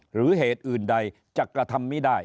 หรือเหตุอื่นใดจะกระทำไม่ได้